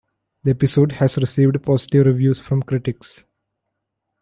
The episode has received positive reviews from critics.